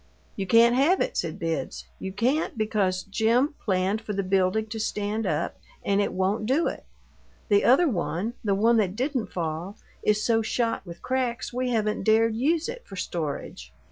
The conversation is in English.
"You can't have it," said Bibbs. "You can't, because Jim planned for the building to stand up, and it won't do it. The other one the one that didn't fall is so shot with cracks we haven't dared use it for storage.